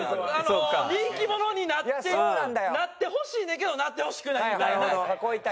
人気者になってなってほしいねんけどなってほしくないみたいな。